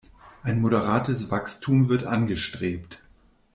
Ein moderates Wachstum wird angestrebt.